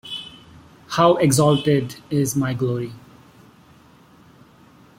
How exalted is my Glory!